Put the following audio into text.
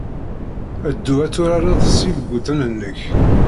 Ddu ad turared s yilegoten-nnek.